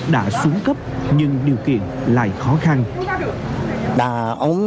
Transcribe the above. đã xuống cấp nhưng điều kiện lại khó khăn